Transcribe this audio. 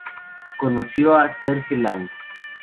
Conoció a Serge Lang.